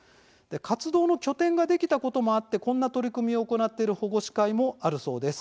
活動の拠点ができたこともあってこんな取り組みを行っている保護司会もあるそうです。